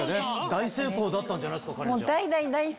大成功だったんじゃないですか？